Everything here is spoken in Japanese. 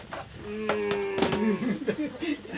うん。